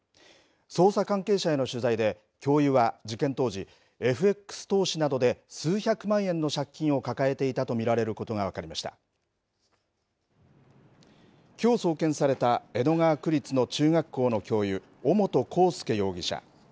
捜査関係者への取材で教諭は事件当時、ＦＸ投資などで数百万円の借金を抱えていたと見られることが分かりましたきょう送検された江戸川区立の中学校の教諭尾本幸祐容疑者。